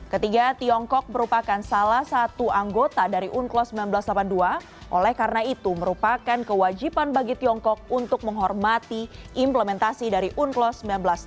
ketiga tiongkok merupakan salah satu anggota dari unclos seribu sembilan ratus delapan puluh dua oleh karena itu merupakan kewajiban bagi tiongkok untuk menghormati implementasi dari unclos seribu sembilan ratus delapan puluh